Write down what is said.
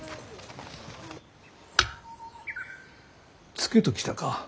ツケときたか。